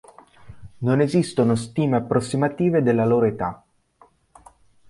Non esistono stime approssimative della loro età.